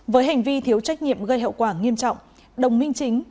với hành vi thiếu trách nhiệm gây hậu quả nghiêm trọng đồng minh chính